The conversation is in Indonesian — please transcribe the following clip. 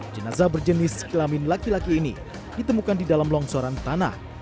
jenazah berjenis kelamin laki laki ini ditemukan di dalam longsoran tanah